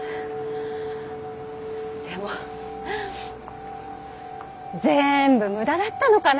でもぜんぶ無駄だったのかな。